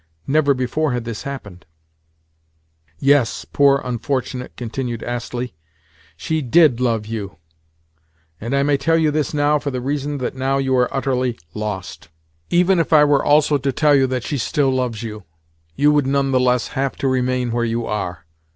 Never before had this happened. "Yes, poor unfortunate," continued Astley. "She did love you; and I may tell you this now for the reason that now you are utterly lost. Even if I were also to tell you that she still loves you, you would none the less have to remain where you are.